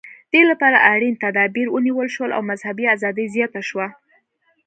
دې لپاره اړین تدابیر ونیول شول او مذهبي ازادي زیاته شوه.